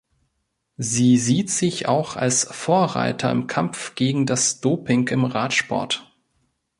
Sie sieht sich auch als Vorreiter im Kampf gegen das Doping im Radsport.